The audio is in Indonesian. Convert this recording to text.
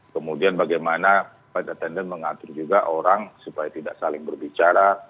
kemudian bagaimana fidependent mengatur juga orang supaya tidak saling berbicara